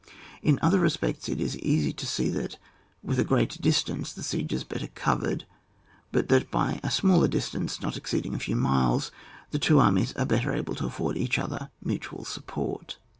In other respects, it is easy to see that, with ft greater distance, the siege is better covered, but that by a smaller distance, not exceeding a few miles, the two armies are better able to afford each other mutual support.